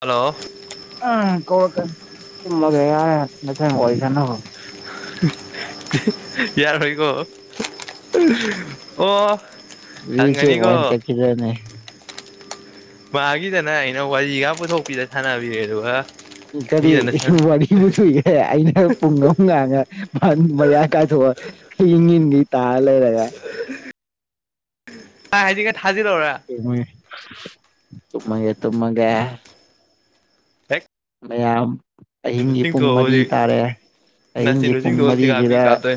hello ꯑꯥ ꯀꯧꯔꯛꯀꯅꯤ ꯇꯨꯝꯕꯒ ꯌꯥ ꯅꯇꯩꯕꯒ ꯋꯥꯔꯤ ꯁꯥꯟꯅꯧꯋꯣ ꯌꯥꯔꯣꯢ ꯀꯣ ꯑꯣ ꯍꯨꯖꯤꯛꯁꯦ ꯋꯥꯏꯟ ꯈꯪꯒꯅꯤꯀꯣ ꯆꯠꯈꯤꯕ꯭ꯔꯥꯅꯦ ꯃꯥꯒꯤꯗꯅ ꯑꯩꯅ ꯋꯥꯔꯤꯒ ꯄꯨꯊꯣꯛꯄꯤꯗ ꯁꯥꯟꯅꯕꯤꯔꯦ ꯑꯗꯨꯒ ꯀꯔꯤ ꯑꯩꯗꯅ ꯁꯨꯝ ꯋꯥꯔꯤꯕꯨ ꯁꯨꯏꯒꯦ ꯑꯩꯅ ꯄꯨꯡ ꯑꯃ ꯉꯥꯡꯉ ꯐꯟ ꯃꯌꯥꯢ ꯀꯥꯏꯊꯣꯛꯑ ꯍꯤꯡꯉꯟꯗꯤ ꯇꯥꯔ ꯂꯩꯔꯒ ꯀꯥꯢꯗꯒꯤꯅꯣ ꯇꯨꯃꯦ ꯇꯨꯝꯃꯒꯦ ꯇꯨꯝꯃꯒꯦ ꯍꯦꯛ ꯗ ꯌꯥꯝ ꯑꯍꯤꯡꯒꯤ ꯄꯨꯡ ꯆꯤꯡꯊꯣꯛꯑꯣ ꯃꯔꯤ ꯍꯧꯖꯤꯛ ꯇꯥꯔꯦ ꯑꯍꯤꯡꯒꯤ ꯅꯥꯆꯤꯟꯗꯨ ꯄꯨꯡ ꯆꯤꯡꯊꯣꯛꯑ ꯊꯤꯒꯥꯄꯤ ꯃꯔꯤꯁꯤꯗ ꯀꯥꯞꯇꯣꯏ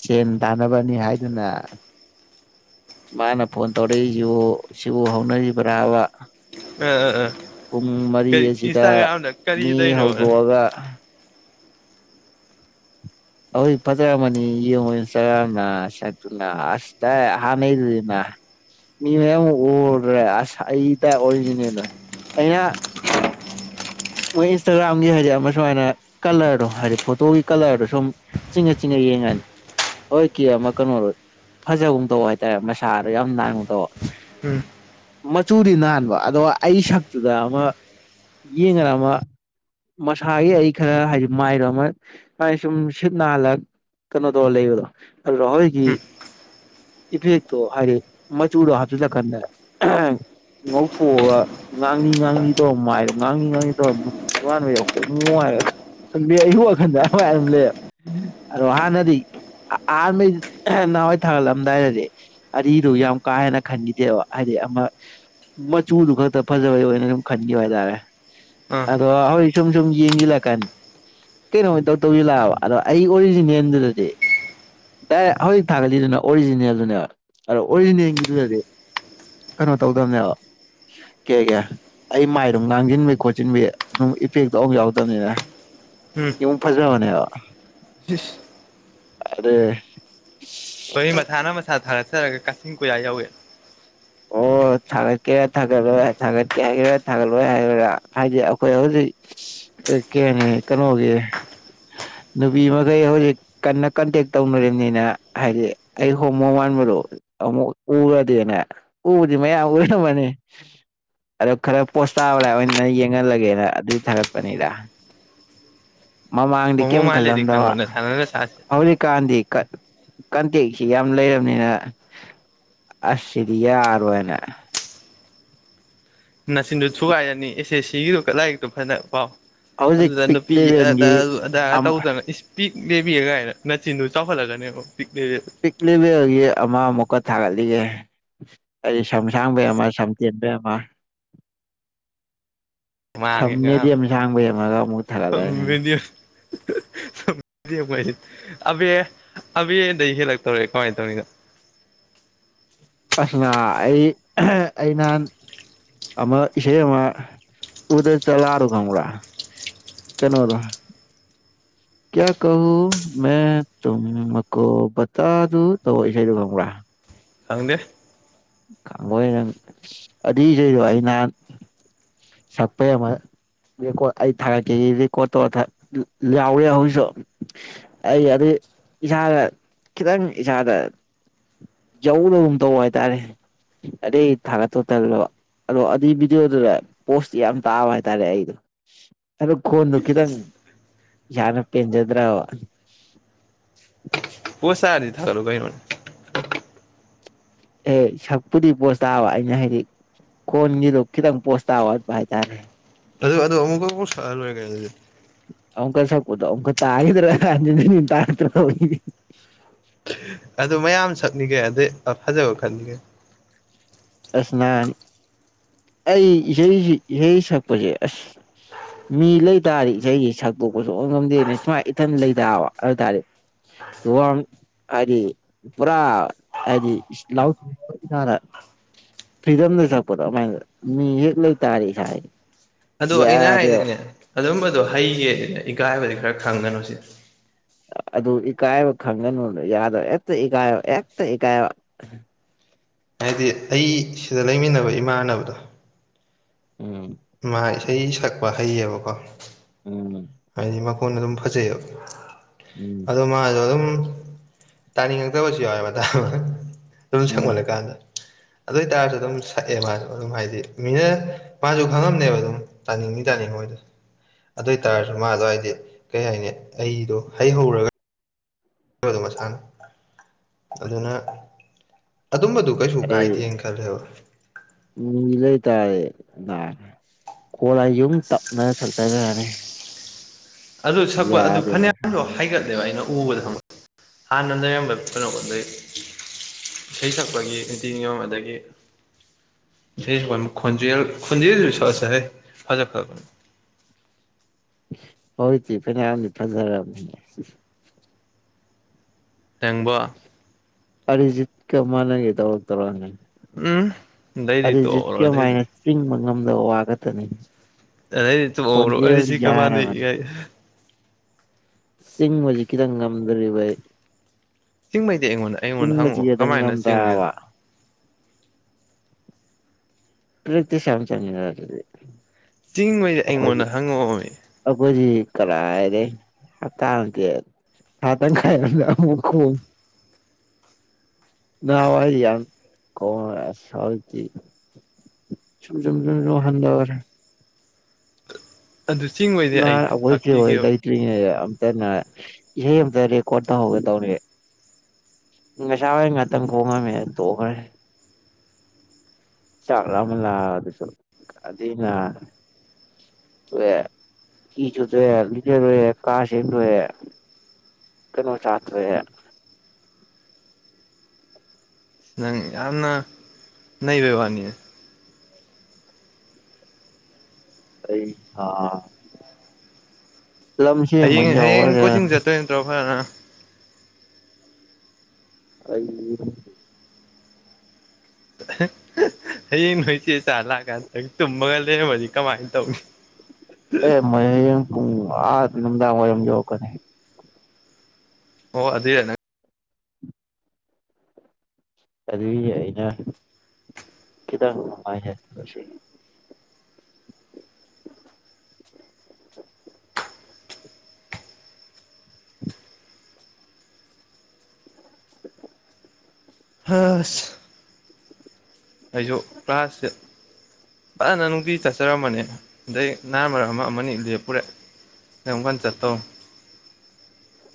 ꯁꯦꯟ ꯇꯥꯟꯅꯕꯅꯤ ꯍꯥꯏꯗꯨꯅ ꯃꯥꯅ ꯐꯣꯟ ꯇꯧꯔꯛꯏꯁꯤꯕꯨ ꯁꯤꯕꯨ ꯍꯧꯅꯔꯤꯕ꯭ꯔꯥꯕ ꯑ ꯑ ꯑ ꯄꯨꯡ ꯃꯔꯤ ꯀꯔꯤ ꯑꯁꯤꯗ ꯏꯟꯁꯇꯥꯒ꯭ꯔꯥꯝꯗ ꯀꯔꯤ ꯃꯤ ꯇꯧꯔꯤꯅꯣꯅ ꯍꯧꯗꯣꯛꯑꯒ ꯍꯣꯏ ꯐꯖꯔꯝꯃꯅꯤ ꯌꯣꯃꯩ ꯆꯔꯥ ꯅ ꯁꯛꯇꯨꯅ ꯑꯁ ꯆꯔꯥꯢ ꯍꯥꯃꯦꯟꯅ ꯃꯤ ꯃꯌꯥꯝ ꯑꯃ ꯑꯣꯔꯦ ꯑꯁ ꯑꯩ ꯇꯥꯏ ꯑꯣꯔꯤꯖꯤꯅꯦꯜꯅ ꯑꯩꯅ ꯃꯣꯏ ꯏꯟꯁꯇꯥꯒ꯭ꯔꯥꯝꯒꯤ ꯍꯥꯏꯗꯤ ꯑꯃ ꯁꯨꯃꯥꯏꯅ ꯀꯂꯔꯗꯣ ꯍꯥꯏꯗꯤ ꯐꯣꯇꯣꯒꯤ ꯀꯂꯔꯗꯣ ꯁꯨꯝ ꯆꯤꯡꯉ ꯆꯤꯡꯉ ꯌꯦꯡꯉꯅꯤ ꯍꯣꯏ ꯀꯦ ꯑꯃ ꯀꯩꯅꯣꯗꯣ ꯐꯖꯒꯨꯝꯇꯧ ꯍꯥꯏꯇꯥꯔꯦ ꯃꯁꯥꯗꯣ ꯌꯥꯝ ꯅꯥꯥꯟꯕ ꯇꯧ ꯎꯝ ꯃꯆꯨꯗꯤ ꯅꯥꯟꯕ ꯑꯗꯣ ꯑꯩ ꯁꯛꯇꯨꯗ ꯑꯃ ꯌꯦꯡꯉ ꯃꯥ ꯃꯁꯥꯒꯤ ꯑꯩ ꯈꯔ ꯍꯥꯏꯗꯤ ꯃꯥꯏꯔꯣ ꯑꯃ ꯃꯥ ꯁꯨꯝ ꯁꯤꯠ ꯅꯥꯟꯂꯛ ꯀꯩꯅꯣꯗꯣ ꯂꯩꯕꯔꯣ ꯑ ꯂꯣꯍꯔꯒꯤ ꯎꯝ ꯏꯐꯤꯂꯤꯞꯇꯣ ꯍꯥꯢꯗꯤ ꯃꯆꯨꯔꯣ ꯍꯥꯞꯆꯂꯀꯥꯟꯗ ꯑꯥꯍ ꯉꯧꯊꯣꯛꯑꯒ ꯉꯥꯡꯂꯤ ꯉꯥꯡꯂꯤ ꯇꯧꯔꯣ ꯃꯥꯏꯔꯣ ꯉꯥꯡꯂꯤ ꯉꯥꯡꯂꯤ ꯗꯣ ꯅꯨꯡꯇꯤ ꯋꯥꯥꯟꯕ ꯌꯥꯍꯣꯡꯉꯨ ꯍꯥꯏꯔꯒ ꯈꯪꯗꯦ ꯑꯌꯨꯛ ꯋꯥꯈꯟꯗ ꯑꯗꯨ ꯋꯥ ꯍꯥꯏꯔꯝꯂꯦ ꯑꯗꯣ ꯍꯥꯟꯅꯗꯤ ꯑ ꯑꯍꯥꯟꯕꯩ ꯅꯍꯥꯟꯋꯥꯏ ꯊꯥꯒꯠꯂꯝꯗꯥꯏꯅꯦ ꯖꯤꯛ ꯑꯔꯤꯗꯨ ꯌꯥꯝ ꯀꯥ ꯍꯦꯟꯅ ꯈꯟꯒꯤꯗꯦꯕ ꯍꯥꯏꯗꯤ ꯗꯤ ꯑꯃ ꯃꯆꯨꯗꯨ ꯈꯛꯇ ꯐꯖꯕꯩ ꯑꯣꯏꯅ ꯑꯗꯨꯝ ꯈꯟꯒꯤꯕ ꯍꯥꯏ ꯇꯥꯔꯦ ꯑꯥ ꯑꯗꯣ ꯑꯍꯣꯏ ꯁꯨꯝ ꯁꯨꯝ ꯌꯦꯡꯖꯤꯜꯂꯛꯑꯀꯥꯟ ꯀꯩꯅꯣ ꯗꯣꯛꯇꯔ ꯍꯣꯏ ꯂꯥꯛꯑꯕꯣ ꯑꯗꯣ ꯑꯩꯒꯤ ꯑꯣꯔꯤꯖꯤꯅꯦꯟ ꯗꯨ ꯅꯠꯇꯦ ꯗꯥꯏꯔꯦꯛ ꯍꯧꯖꯤꯛ ꯊꯥꯒꯠꯂꯤꯗꯨꯅꯥ ꯑꯣꯔꯤꯖꯤꯅꯦꯜꯗꯨꯅꯦꯕ ꯑꯗꯣ ꯑꯣꯔꯤꯖꯤꯅꯦꯜꯒꯤꯗꯨꯗꯗꯤ ꯀꯅꯣ ꯇꯧꯗꯕꯅꯦꯕꯥ ꯀꯦ ꯀꯦ ꯑꯩ ꯃꯥꯏꯗꯨ ꯉꯥꯡꯖꯤꯟꯕꯩ ꯈꯣꯠ ꯆꯤꯟꯕꯤ ꯑꯗꯨꯝ ꯏꯄꯦꯛꯇ ꯑꯝꯕꯣꯛ ꯌꯥꯎꯗꯕꯅꯤꯅ ꯎꯝ ꯌꯨꯝ ꯐꯖꯥꯕꯅꯦꯕꯥ ꯏꯁ ꯑꯗꯩ ꯀꯩꯅꯣ ꯃꯊꯥꯅ ꯃꯊꯥ ꯁꯔꯛꯇꯣꯔꯒ ꯀꯥꯆꯤꯟ ꯀꯣꯏꯌꯥ ꯌꯧꯋꯦ ꯑꯣ ꯑꯣ ꯊꯥꯒꯠꯀꯦꯔꯥ ꯊꯥꯒꯠꯂꯣꯏꯔ ꯊꯥꯒꯠꯀꯦ ꯍꯥꯏꯒꯦꯔꯥ ꯊꯥꯒꯠꯂꯣꯏ ꯍꯥꯏꯒꯦꯔꯥ ꯍꯥꯏꯗꯤ ꯑꯩꯈꯣꯏ ꯍꯧꯖꯤꯛ ꯑꯦ ꯀꯦꯅꯤ ꯀꯅꯣ ꯒꯤ ꯅꯨꯄꯤ ꯃꯈꯩ ꯍꯧꯖꯤꯛ ꯀꯟꯅ ꯀꯟꯇꯦꯛ ꯇꯧꯅꯔꯤꯕꯅꯤꯅꯥ ꯍꯥꯏꯗꯤ ꯑꯩ ꯍꯣꯃꯣ ꯃꯥꯟꯟꯕꯗꯣ ꯑꯣ ꯑꯃꯨꯛ ꯎꯔꯗꯤꯅꯦ ꯎꯕꯗꯤ ꯃꯌꯥꯝ ꯎꯔꯝꯃꯅꯤ ꯑꯗꯣ ꯈꯔ ꯄꯣꯁ ꯇꯥꯕꯅꯦ ꯍꯥꯏꯕ ꯑꯩꯅ ꯌꯦꯡꯍꯜꯂꯒꯦꯅ ꯑꯗꯨꯏ ꯊꯥꯒꯠꯄꯅꯤꯗꯥ ꯃꯃꯥꯡꯗꯤ ꯍꯣꯃꯣ ꯀꯩꯝ ꯃꯥꯜꯂꯦꯗꯤ ꯈꯜꯂꯝꯗꯕꯥ ꯈꯪꯕ ꯅꯁꯥꯅ ꯅꯁꯥꯁꯦ ꯍꯧꯖꯤꯛꯀꯥꯟꯗꯤ ꯀ ꯀꯟꯇꯦꯛꯁꯤ ꯌꯥꯝ ꯂꯩꯔꯝꯅꯤꯅ ꯑꯁ ꯁꯤꯗꯤ ꯌꯥꯔꯣꯏꯅꯥ ꯅꯥꯆꯤꯟꯗꯣ ꯊꯨꯒꯥꯏꯔꯅꯤ ꯑꯦꯁ ꯑꯦꯁ ꯁꯤꯒꯤꯗꯣ ꯀ ꯂꯥꯏꯔꯤꯛꯇꯣ ꯐꯅ ꯄꯥꯎ ꯍꯧꯖꯤꯛ ꯑꯗꯨꯗꯥ ꯄꯤꯛ ꯅꯨꯄꯤ ꯑꯗꯥ ꯂꯦꯚꯦꯟꯒꯤ ꯑꯗꯥ ꯇꯧꯗꯅ ꯏꯁ ꯄꯤꯛ ꯕꯦꯕꯤꯑꯦꯒꯥꯏꯅ ꯅꯆꯤꯟꯗꯨ ꯆꯥꯎꯈꯠꯂꯒꯅꯦꯕ ꯄꯤꯛ ꯂꯦꯕꯤ ꯄꯤꯛꯂꯤꯕꯒꯤ ꯑꯃꯥ ꯃꯣꯛꯀꯥ ꯊꯥꯒꯠꯂꯤꯒꯦ ꯑꯩꯗꯤ ꯁꯝ ꯁꯥꯡꯕꯩ ꯑꯃ ꯁꯝꯇꯦꯟꯕꯩ ꯑꯃ [inaudible] ꯁꯝ ꯃꯥꯡꯉꯦ ꯉꯔꯥꯡ ꯃꯦꯗꯤꯝ ꯁꯥꯡꯕꯩ ꯑꯃꯒ ꯑꯃꯨꯛ ꯊꯥꯒꯠꯂꯑꯅꯤ ꯑꯩ [unintelligible] ꯑꯕꯦ ꯑꯕꯦꯗꯒꯤ ꯍꯦꯜꯂꯛꯇꯧꯔꯦ ꯀꯃꯥꯏ ꯇꯧꯅꯤ ꯅꯪ ꯑꯁ ꯉꯍꯥꯟ ꯑꯩ ꯑꯩ ꯅꯍꯥꯟ ꯑꯃ ꯏꯁꯩ ꯑꯃꯥ ꯎꯗ ꯆꯂꯥ ꯗꯨ ꯈꯪꯕ꯭ꯔꯥ ꯀꯩꯅꯣꯗꯣ ꯀ꯭ꯌꯥ ꯀꯍꯣ ꯃꯦ ꯇꯨꯝ ꯕꯀꯣ ꯖꯇꯥꯗꯨ ꯇꯧꯕ ꯏꯁꯩꯗꯨ ꯈꯪꯕ꯭ꯔꯥ ꯈꯪꯗꯦ ꯈꯥꯡꯉꯣꯏ ꯅꯪ ꯑꯗꯨꯏ ꯏꯁꯩꯗꯣ ꯑꯩ ꯅꯍꯥꯟ ꯁꯛꯄꯩ ꯑꯃ ꯔꯦꯀꯣꯔꯗ ꯑꯩ ꯊꯥꯔꯛꯀꯦ ꯔꯦꯀꯣꯔꯗ ꯇꯧꯔꯀ ꯌꯥꯎꯔꯤ ꯍꯧꯖꯤꯛꯁꯨ ꯑꯩ ꯑꯗꯨꯏ ꯏꯁꯥꯗ ꯈꯤꯇꯪ ꯏꯁꯥꯗ ꯌꯧꯗꯒꯨꯝ ꯇꯧꯕ ꯍꯥꯏꯇꯥꯔꯦ ꯑꯗꯩ ꯊꯒꯠꯇꯧ ꯇꯜꯂꯕꯥ ꯑꯗꯣ ꯑꯗꯨꯏ ꯚꯤꯗꯤꯑꯣꯗꯨꯗ ꯄꯣꯁ ꯌꯥꯝ ꯇꯥꯕ ꯍꯥꯏꯇꯥꯔꯦ ꯑꯩꯗꯣ ꯑꯗꯨ ꯈꯣꯟꯗꯨ ꯈꯤꯇꯪ ꯌꯥꯅ ꯄꯦꯟꯖꯗ꯭ꯔꯕꯥ [inaudible] ꯄꯣꯁ ꯇꯥꯔꯗꯤ ꯊꯒꯠꯂꯣ ꯀꯩꯅꯣ ꯑꯦ ꯁꯛꯄꯨꯗꯤ ꯄꯣꯁ ꯇꯥꯕ ꯑꯩꯅ ꯍꯥꯏꯗꯤ ꯈꯣꯟꯒꯤꯗꯣ ꯈꯤꯇꯪ ꯄꯣꯁꯇꯥꯕ ꯋꯥꯠꯄ ꯍꯥꯏ ꯇꯥꯔꯦ ꯑꯗꯨ ꯑꯗꯨ ꯑꯃꯨꯛꯀ ꯑꯃꯨꯛ ꯁꯛꯑ ꯂꯣꯏꯔꯦ ꯀꯩ ꯑꯗꯨꯗꯤ ꯎꯗ ꯑꯃꯨꯛꯀ ꯇꯥꯒꯤꯗ꯭ꯔꯅ ꯍꯟꯖꯤꯟ ꯍꯟꯖꯤꯟ ꯇꯥꯔꯛꯇꯅ ꯗꯩꯗꯤ ꯑꯗꯨ ꯃꯌꯥꯝ ꯁꯛꯅꯤꯒꯦ ꯑꯗꯩ ꯐꯖꯕ ꯈꯟꯕꯤꯒꯦ ꯑꯁ ꯅꯥꯟ ꯑꯩ ꯏꯁꯩ ꯏꯁꯩ ꯁꯛꯄꯖꯦ ꯑꯁ ꯃꯤ ꯂꯩ ꯇꯥꯔꯗꯤ ꯏꯁꯩꯖꯦ ꯁꯛꯇꯣꯛꯄ ꯁꯨꯡꯉꯝ ꯉꯝꯗꯦꯅꯦ ꯁꯨꯃꯥꯏ ꯏꯊꯟ ꯂꯩꯗꯥꯕ ꯑꯗꯨꯏ ꯇꯥꯔꯗꯤ ꯋꯥꯔꯨꯅꯨ ꯍꯥꯏꯗꯤ ꯄꯨꯔꯥ ꯍꯥꯏꯗꯤ ꯏꯁ ꯂꯥꯎꯠꯅ ꯐ꯭ꯔꯤꯗꯝꯗ ꯁꯛꯄꯗꯣ ꯑꯃꯥꯏꯅ ꯃꯤ ꯍꯦꯛ ꯂꯩꯇꯥꯔꯗꯤ ꯁꯛꯑꯦ ꯑꯗꯣ ꯑꯩꯅ ꯍꯥꯏꯗꯤꯅꯦ ꯑꯗꯨꯝꯕꯗꯣ ꯍꯩꯒꯦ ꯏꯀꯥꯏꯕꯗꯤ ꯈꯔ ꯈꯪꯒꯅꯣ ꯁꯤ ꯑꯥ ꯑꯗꯨ ꯏꯀꯥꯏꯕ ꯈꯪꯒꯅꯨ ꯌꯥꯗꯕ ꯍꯦꯛꯇ ꯏꯀꯥꯏꯕ ꯍꯦꯛꯇ ꯏꯀꯥꯏꯕ ꯍꯥꯏꯗꯤ ꯑꯩ ꯁꯤꯗ ꯂꯩꯃꯤꯟꯅꯕ ꯏꯃꯥꯟꯅꯕꯗꯣ ꯎꯝ ꯃꯥ ꯏꯁꯩ ꯁꯛꯄ ꯍꯩꯌꯦꯕꯀꯣ ꯎꯝ ꯍꯥꯏꯗꯤ ꯃꯈꯣꯟꯗ ꯑꯗꯨꯝ ꯐꯖꯩꯑꯌꯦꯕ ꯎꯝ ꯑꯗꯣ ꯃꯥꯁꯣ ꯑꯗꯨꯝ ꯇꯥꯅꯤꯡꯉꯛꯇꯕꯁꯨ ꯌꯥꯎꯋꯦꯕ ꯇꯥꯕ ꯑꯗꯨꯝ ꯎꯝ ꯁꯪꯃꯜꯂꯀꯥꯟꯗ ꯑꯗꯨ ꯑꯣꯏꯇꯥꯔꯁꯨ ꯑꯗꯨꯝ ꯁꯛꯑꯦ ꯃꯥꯁꯨ ꯑꯗꯨꯝ ꯍꯥꯏꯗꯤ ꯃꯤꯅ ꯃꯥꯁꯨ ꯈꯪꯉꯝꯅꯦꯕ ꯑꯗꯨꯝ ꯇꯥꯅꯤꯡꯅꯤ ꯇꯥꯅꯤꯡ ꯅꯣꯏꯗ ꯑꯗꯨ ꯑꯣꯏꯇꯥꯔꯁꯨ ꯃꯥꯗꯣ ꯍꯥꯏꯗꯤ ꯀꯩ ꯍꯥꯏꯅꯤ ꯑꯩꯗꯣ ꯍꯩ ꯍꯧꯔꯒ ꯃꯁꯅꯥ ꯑꯗꯨꯅ ꯑꯗꯨꯝꯕꯗꯨ ꯀꯩꯁꯨ ꯑꯩ ꯀꯥꯏꯗꯦꯅ ꯈꯜꯂꯦꯕ [unintelligible] ꯑꯗꯨ ꯁꯛꯄ ꯑꯗꯨ ꯌꯥꯗꯦ ꯐꯅꯌꯥꯝꯟꯗꯣ ꯃꯁꯥꯅ ꯍꯥꯏꯒꯠꯂꯦꯕ ꯑꯩꯅ ꯎꯕꯗ ꯍꯥꯟꯅ ꯂꯩꯔꯝꯕ [unintelligible] ꯏꯁꯩ ꯁꯛꯄꯒꯤ ꯏꯇꯤ ꯅꯤꯌꯣꯝ ꯑꯃꯗꯒꯤ ꯁꯤ ꯃꯥꯟꯕ ꯈꯣꯟꯖꯦꯜ ꯈꯣꯟꯖꯦꯜꯁꯨ ꯁꯣ ꯁꯛꯑꯦ ꯐꯔꯛꯀ [inaudible] ꯍꯧꯖꯤꯇꯤ ꯐꯅ꯭ꯌꯥꯝ ꯗꯤ ꯐꯖꯔꯝꯅꯦ ꯇꯦꯡꯕꯣ ꯑꯔꯤꯖꯤꯠ ꯀ ꯃꯥꯅꯒꯦ ꯇꯧꯔꯛꯇ꯭ꯔꯣꯅꯦ ꯎꯝ ꯑꯗꯩꯗꯤ ꯑꯔꯤꯖꯤꯠꯀꯤ ꯇꯣꯛꯍꯧꯔꯣ ꯑꯗꯩꯗꯤ ꯑꯃꯥꯏꯅ ꯆꯤꯡꯕ ꯉꯝꯗꯕ ꯋꯥ ꯈꯛꯇꯅꯦ [unintelligible] ꯆꯤꯡ ꯍꯧꯖꯤꯛꯀꯤꯗ ꯉꯝꯗ꯭ꯔꯦꯕ ꯑꯩ ꯆꯤꯡꯕꯩꯗꯤ ꯑꯩꯉꯣꯟꯗ ꯑꯩꯉꯣꯟꯗ ꯆꯤꯡꯕꯁꯤ ꯍꯪꯉꯛꯑꯣ ꯈꯤꯇꯪ ꯀꯃꯥꯏꯅ ꯆꯤꯡꯅꯦ ꯉꯝꯗꯕ ꯆꯤꯡꯕꯩꯗꯤ [unintelligible] ꯑꯈꯣꯏꯒꯤ ꯑꯩꯉꯣꯟꯗ ꯍꯪꯉꯛꯑꯣꯃꯤ ꯑꯈꯣꯏꯗꯤ ꯀꯔꯥꯏꯗꯩ ꯍꯞꯇ ꯑꯝꯗꯤ ꯊꯥ ꯇꯪꯈꯥꯏ [unintelligible] ꯅꯍꯋꯥꯏ ꯌꯥꯝ ꯀꯧ [unintelligible] ꯑꯁ ꯍꯖꯤꯛꯇꯤ ꯁꯨꯝ ꯖꯨꯝ ꯖꯨꯝ ꯖꯨꯝ ꯍꯟꯗꯒ꯭ꯔꯦ ꯑꯗꯨ ꯆꯤꯡꯕꯩꯗꯤ ꯅ ꯑꯩ ꯑꯩꯈꯣꯏ ꯆꯦ ꯍꯣꯏ ꯇꯥꯛꯄꯤꯒꯦꯕ ꯂꯩꯇꯔꯤꯉꯩꯗ ꯑ ꯗꯅ ꯏꯁꯩ ꯑꯝꯇ ꯔꯦꯀꯣꯔꯠ ꯇꯧꯍꯧꯒꯦ ꯇꯧꯅꯦ ꯉꯁꯥꯏ ꯉꯥꯛꯇꯪ ꯀꯣꯝꯃꯝꯃꯦ ꯇꯣꯛꯈ꯭ꯔꯦ ꯆꯥꯛ ꯂꯥꯝꯃꯜꯂꯗꯨꯁꯨ ꯀꯗꯤ ꯅ [unintelligible] ꯀꯅꯣ ꯆꯥꯇꯣꯑꯦ ꯅꯪ ꯌꯥꯝꯅ ꯅꯩꯕꯩꯋꯥꯅꯤꯅꯦ ꯑꯩ ꯑꯥ ꯂꯝꯆꯦꯟ ꯃ ꯍꯌꯦꯡ ꯍꯌꯦꯡ ꯋꯥꯎꯑꯣꯔ ꯀꯣꯆꯤꯡ ꯆꯠꯇꯣꯏ ꯅꯠꯇ꯭ꯔꯣ ꯐꯖꯅ [inaudible] [unintelligible] ꯍꯌꯦꯡ ꯅꯣꯏ ꯏꯆꯦ ꯆꯥ ꯂꯥꯛꯑꯀꯥꯟ ꯅꯪ ꯇꯨꯝꯃꯒ ꯂꯩꯔꯝꯃꯗꯤ ꯀꯃꯥꯏ ꯇꯧꯅꯤ [unintelligible] ꯑꯥ ꯅꯨꯡꯗꯥꯡ ꯋꯥꯏꯔꯝ ꯌꯧꯔꯛꯀꯅꯤ ꯑꯣ ꯑꯗꯨꯏꯔ ꯅꯪ ꯑꯗꯒꯤ ꯑꯩꯅ ꯈꯤꯇꯪ [unintelligible] [inaudible] ꯍꯁ ꯑꯩꯁꯨ ꯀ꯭ꯂꯥꯁꯁꯦ ꯐꯟꯅ ꯅꯨꯡꯇꯤ ꯆꯠꯆꯔꯝꯕꯅꯦ ꯑꯗꯩ ꯅ ꯃꯔꯛ ꯑꯃ ꯑꯃꯅꯤ ꯂꯦꯞꯄꯨꯔꯦ [unintelligible]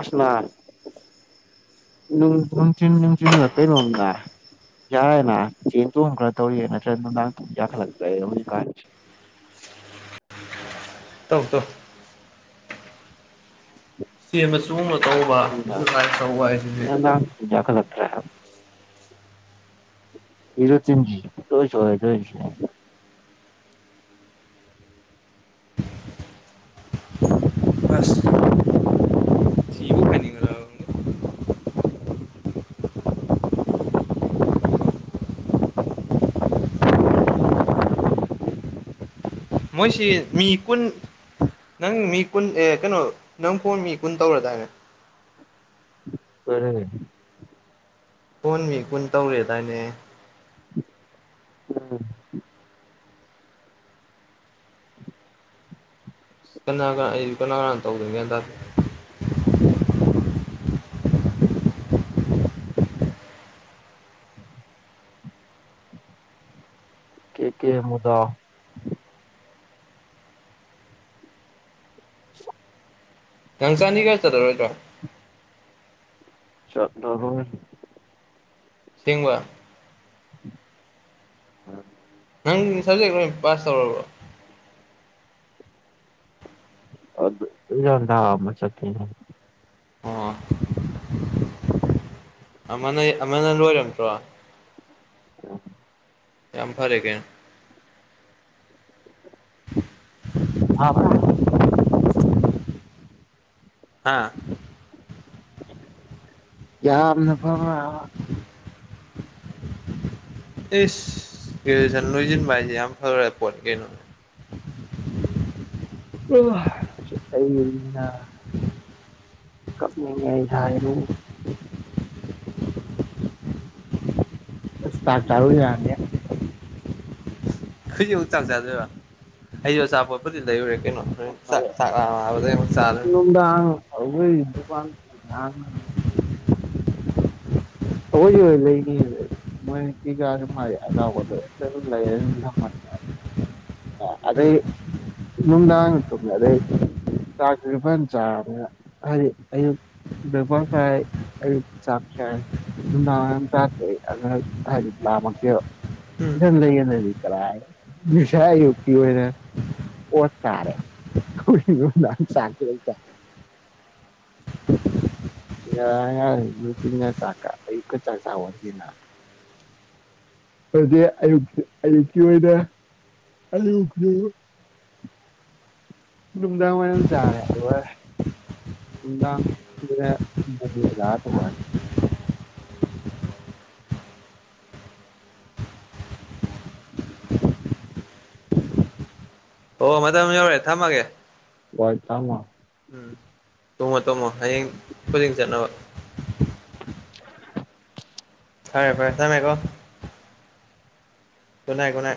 ꯑꯁ ꯅꯍꯥꯟ ꯅꯨꯡ ꯅꯨꯡꯊꯤꯜ ꯅꯨꯡꯊꯤꯜꯂ ꯀꯩꯅꯣꯝ ꯅꯥꯏ ꯌꯥꯔꯦꯅ [unintelligible] ꯅꯨꯡꯗꯥꯡ ꯄꯨꯡ ꯀꯌꯥ ꯊꯥꯟꯒ꯭ꯔꯦ ꯍꯧꯖꯤꯛꯀꯥꯟꯖꯦ [inaudible] ꯇꯧ ꯇꯧ ꯆꯦꯟꯕ ꯆꯣꯡꯕ ꯇꯧꯕ ꯑꯗꯨꯃꯥꯏ ꯇꯧ ꯍꯥꯏꯗꯨꯗꯤ ꯅꯨꯡꯗꯥꯡ ꯄꯨꯡ [inaudible] [unintelligible] ꯑꯁ ꯊꯤꯕꯨ ꯐꯥꯏꯅꯤꯡꯒꯗꯕ ꯃꯣꯏꯁꯤ ꯃꯤ ꯀꯨꯟ ꯅꯪ ꯃꯤ ꯀꯨꯟ ꯑꯦ ꯀꯦꯅꯣ ꯅꯪ ꯐꯣꯟ ꯃꯤ ꯀꯨꯟ ꯇꯧꯔꯗꯥꯏꯅꯦ ꯐꯔꯦꯅꯦ ꯐꯣꯟ ꯃꯤ ꯀꯨꯟ ꯇꯧꯔꯦꯗꯥꯏꯅꯦ [inaudible] ꯀꯅꯥꯒ ꯑꯩ ꯀꯅꯔꯥ ꯇꯧꯔꯒꯦꯗ ꯀꯦ ꯀꯦ ꯃꯨꯗꯥꯎ ꯅꯪ ꯆꯥꯟꯗꯤꯒꯔ ꯆꯠꯂꯔꯣꯏꯗ꯭ꯔꯣ ꯆꯠꯂꯔꯣꯏ ꯁꯦꯡꯕ ꯎꯝ ꯅꯪ ꯁ꯭ꯕꯖꯦꯛ ꯂꯣꯏ ꯄꯥꯁ ꯇꯧꯔꯕꯣ ꯑꯗꯨ ꯌꯥꯝ ꯅꯥꯝꯃ [unintelligible] ꯑꯣ ꯑꯃꯅ ꯑꯃꯅ ꯂꯣꯏꯔꯝꯗ꯭ꯔꯣ [unintelligible] ꯌꯥꯝ ꯐꯔꯦ [unintelligible] ꯐꯕ꯭ꯔꯥ ꯑꯥ ꯌꯥꯝꯅ [unintelligible] ꯏꯁ ꯒ꯭ꯔꯦꯖꯦꯁꯟ ꯂꯣꯏꯖꯤꯟꯕ ꯍꯥꯏꯖꯦ ꯌꯥꯝ ꯐꯒ꯭ꯔ ꯄꯣꯠꯅꯤ ꯀꯩꯅꯣ [unintelligible] ꯀꯞꯅꯤꯡꯉꯦ [unintelligible] [unintelligible] ꯍꯨꯖꯤꯛ ꯃꯨꯛ ꯆꯥꯛ ꯆꯥꯗꯣꯏꯕ ꯑꯩꯖꯨ ꯑꯆꯥꯄꯣꯠꯄꯨꯗꯤ ꯂꯩꯔꯨꯔꯦ [unintelligible] ꯅꯨꯡꯗꯥꯡ ꯑꯩꯈꯣꯏ ꯗꯨꯀꯥꯟ [unintelligible] [unintelligible] [unintelligible] ꯑ ꯎꯝ ꯑꯗꯩ ꯅꯨꯡꯗꯥꯥꯡ ꯇꯨꯝꯃꯦ ꯑꯗꯩ ꯆꯥꯛ ꯇꯨꯖꯨ ꯐꯖꯅ [unintelligible] ꯍꯥꯏꯗꯤ ꯑꯌꯨꯛ [unintelligible] ꯑꯌꯨꯛ ꯆꯥꯛ ꯆꯥꯏ ꯅꯨꯡꯗꯥꯡꯋꯥꯏꯔꯝ ꯆꯥꯗꯦ ꯑꯩ ꯑꯗꯨꯅ ꯍꯥꯏꯗꯤ ꯂꯥꯝꯃꯛꯇꯦꯕ [unintelligible] ꯀꯔꯥꯏ ꯉꯁꯥꯏ ꯑꯌꯨꯛꯀꯤ ꯑꯣꯏꯅ ꯑꯣꯠ ꯆꯥꯔꯦ [unintelligible] [inaudible] [unintelligible] ꯉꯔꯥꯡ ꯅꯨꯡꯊꯤꯟꯀ ꯆꯥꯛꯀ ꯑꯌꯨꯛꯀ ꯆꯥꯛꯆꯕ ꯅꯇꯦꯅ [unintelligible] ꯑꯌꯨꯛ ꯑꯌꯨꯛꯀꯤ ꯑꯣꯏꯅ [unintelligible] ꯅꯨꯡꯗꯥꯡꯋꯥꯏꯔꯝ ꯇꯥꯔꯦ ꯂꯣꯏꯔꯦ ꯥꯅꯨꯡꯗꯥꯡ [unintelligible] ꯑꯣ ꯃꯇꯝ ꯌꯧꯔꯦ ꯊꯝꯃꯒꯦ ꯋꯥꯏꯇ ꯑꯃ ꯎꯝ ꯇꯨꯝꯃꯣ ꯇꯨꯝꯃꯣ ꯍꯌꯦꯡ [unintelligible] ꯆꯠꯅꯕ [inaudible] ꯐꯔꯦ ꯐꯔꯦ ꯊꯝꯃꯦꯀꯣ ꯒꯨꯅꯥꯏ ꯒꯨꯅꯥꯏ